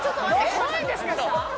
怖いんですけど！